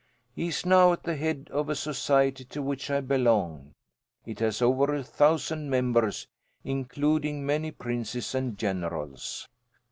He is now at the head of a society to which I belong. It has over a thousand members, including many princes and generals.